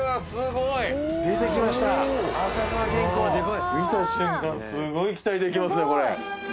すごい期待できますねこれ。